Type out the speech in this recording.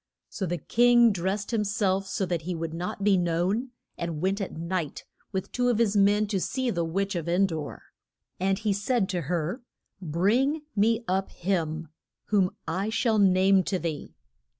So the king drest him self so that he would not be known, and went at night with two of his men to see the witch of En dor. And he said to her, Bring me up him whom I shall name to thee.